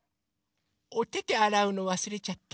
おててあらうのわすれちゃった。